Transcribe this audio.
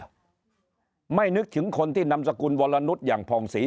ชื่อหญิงคนที่นำสคุณวรรณุษย์อย่างพองศรี